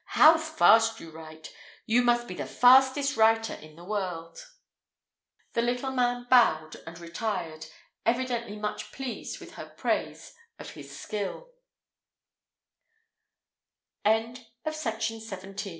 "How fast you write! You must be the fastest writer in the world!" The little man bowed and retired, evidently much pleased with her praise of his sk